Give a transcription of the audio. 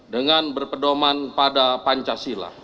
dengan berpedoman pada pancasila